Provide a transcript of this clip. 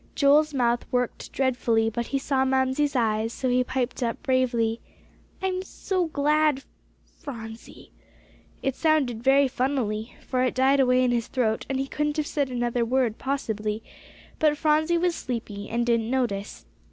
] Joel's mouth worked dreadfully, but he saw Mamsie's eyes, so he piped up bravely, "I'm so glad, Phronsie." It sounded very funnily, for it died away in his throat, and he couldn't have said another word possibly; but Phronsie was sleepy, and didn't notice.